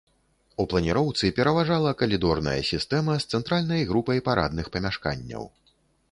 У планіроўцы пераважала калідорная сістэма з цэнтральнай групай парадных памяшканняў.